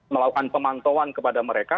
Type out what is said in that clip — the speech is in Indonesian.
melakukan pemantauan kepada mereka